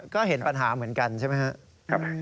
ก็เห็นปัญหาเหมือนกันใช่ไหมครับ